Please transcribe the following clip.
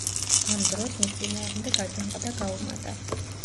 ამ დროს მის წინააღმდეგ აჯანყდა გაუმატა.